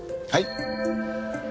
はい？